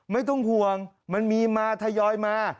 ไม่ต้องห่วงมันมีมาทยอยมา